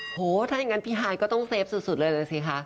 โอ้โฮถ้าอย่างงั้นพี่หายก็ต้องเซฟสุดเลยสิค่ะ